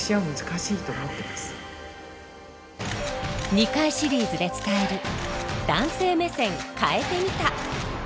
２回シリーズで伝える「“男性目線”変えてみた」。